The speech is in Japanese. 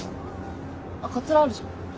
あっかつらあるじゃん。